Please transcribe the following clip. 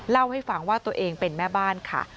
เล่าให้ฟังว่าตัวเองเป็นแม่บ้านค่ะ